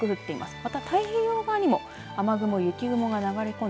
また太平洋側にも雨雲、雪雲が流れ込んで